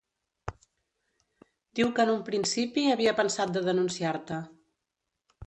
Diu que en un principi havia pensat de denunciar-te.